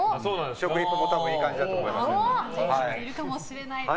食リポもいい感じだと思います。